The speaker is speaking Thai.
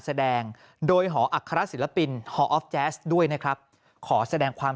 แสดงโดยหออัครศิลปินฮออฟแจ๊สด้วยนะครับขอแสดงความ